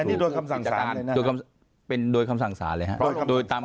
นี้โดยคำสั่งสารเลยเหรอ